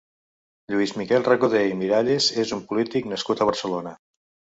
Lluís Miquel Recoder i Miralles és un polític nascut a Barcelona.